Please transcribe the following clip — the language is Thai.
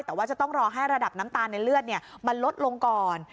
แต่ว่าจะต้องรอให้ระดับน้ำตาลในเลือดมันลดลงก่อน